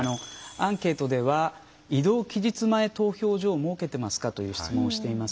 アンケートでは「移動期日前投票所を設けてますか」という質問をしています。